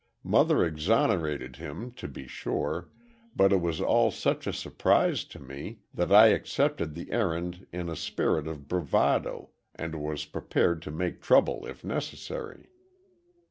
Mother exonerated him, to be sure, but it was all such a surprise to me, that I accepted the errand in a spirit of bravado and was prepared to make trouble if necessary.